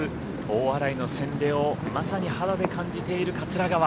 大洗の洗礼をまさに肌で感じている桂川。